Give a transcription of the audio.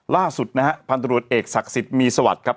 ล่าสุดนะฮะพันธุรกิจเอกศักดิ์สิทธิ์มีสวัสดิ์ครับ